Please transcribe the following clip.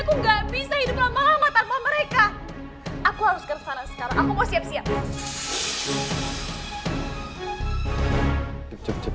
aku nggak bisa hidup lama lama tanpa mereka aku harus kesana sekarang aku mau siap siap